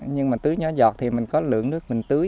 nhưng mà tưới nhỏ giọt thì mình có lượng nước mình tưới